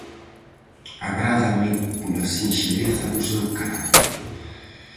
Agrádame pola sinxeleza do seu carácter.